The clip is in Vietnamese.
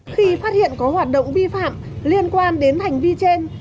khi phát hiện có hoạt động vi phạm liên quan đến hành vi trên